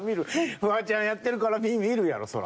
フワちゃんやってるから見るやろそら。